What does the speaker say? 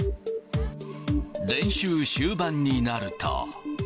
練習終盤になると。